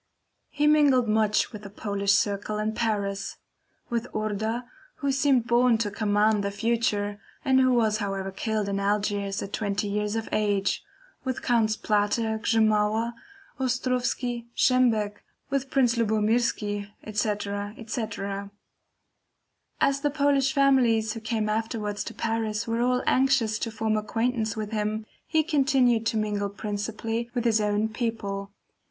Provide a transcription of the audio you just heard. He mingled much with the Polish circle in Paris; with Orda who seemed born to command the future, and who was however killed in Algiers at twenty years of age; with Counts Plater, Grzymala, Ostrowski, Szembeck, with Prince Lubomirski, etc. etc. As the Polish families who came afterwards to Paris were all anxious to form acquaintance with him, he continued to mingle principally with his own people.